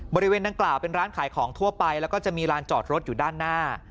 บริเวณดังกล่าวเป็นร้านขายของทั่วไปแล้วก็จะมีลานจอดรถอยู่ด้านหน้า